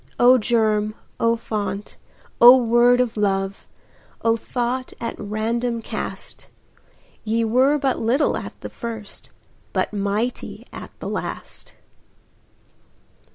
O germ! O fount! O word of love! O thought at random cast! Ye were but little at the first, But mighty at the last.